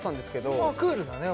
まっクールだね